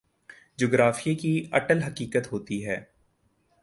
جغرافیے کی اٹل حقیقت ہوتی ہے۔